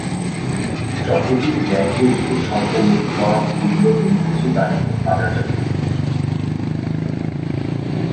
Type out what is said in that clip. চক্রটি ব্যান্ড মিউজিকের সদ্য মুক্তি পাওয়া সিডিগুলো এমপিথ্রি বানিয়ে বাজারজাত করত।